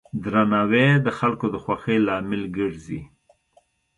درناوی د خلکو د خوښۍ لامل ګرځي.